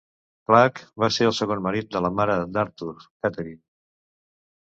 Clarke va ser el segon marit de la mare d'Arthur, Katherine.